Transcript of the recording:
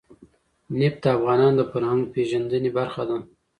نفت د افغانانو د فرهنګي پیژندنې برخه ده.